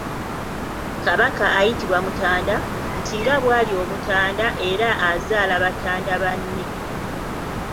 Kabaka ayitibwa Mutanda, nti nga bw'ali Omutanda era azaala Batanda banne.